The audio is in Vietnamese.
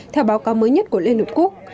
theo báo cáo mới nhất của liên hợp quốc